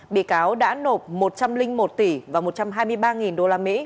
bị cáo đã nộp một trăm linh một tỷ và một trăm hai mươi ba usd